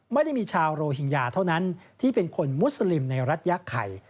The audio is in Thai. ไม่ได้มีชาวโรฮิงญาเท่านั้นที่เป็นคนมุสลิมในรัฐยาไข่